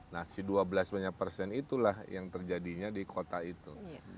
nah si dua belas banyak persen itulah yang terjadinya di kota itu